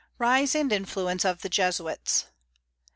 RISE AND INFLUENCE OF THE JESUITS.